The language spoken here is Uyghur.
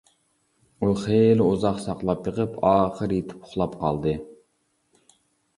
ئۇ خېلى ئۇزاق ساقلاپ بېقىپ ئاخىرى يېتىپ ئۇخلاپ قالدى.